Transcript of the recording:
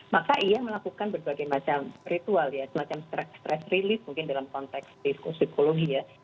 maka ia melakukan berbagai macam ritual ya semacam stress release mungkin dalam konteks psikologi ya